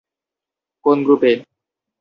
কোন গ্রুপে?